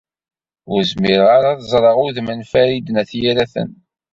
Ur zmireɣ ara ad ẓreɣ udem n Farid n At Yiraten.